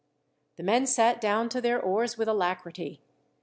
The men sat down to their oars with alacrity.